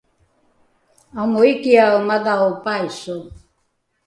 amoikiae madhao paiso